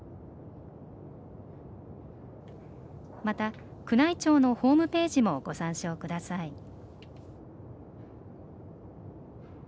また、宮内庁のホームページもご参照ください。